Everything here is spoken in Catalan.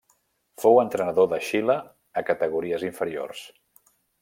Fou entrenador de Xile a categories inferiors.